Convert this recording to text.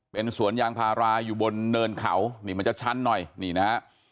เป็นสวนยางพาราอยู่บนเนินเขานี่มันจะชั้นหน่อยนี่นะฮะ